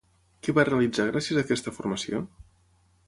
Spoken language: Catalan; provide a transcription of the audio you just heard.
Què va realitzar gràcies a aquesta formació?